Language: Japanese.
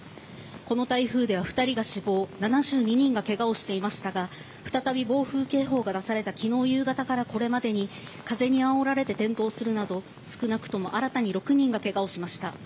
この台風では２人が死亡７２人がケガをしていましたが再び暴風警報が出された昨日夕方からこれまでに風にあおられて転倒するなど少なくとも新たに６人がケガをしました。